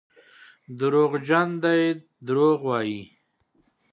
دروغجن دي دروغ وايي.